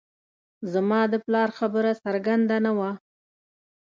زما د پلار خبره څرګنده نه وه